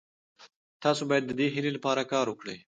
تاسي باید د دې هیلې لپاره کار وکړئ.